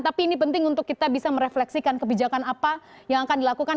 tapi ini penting untuk kita bisa merefleksikan kebijakan apa yang akan dilakukan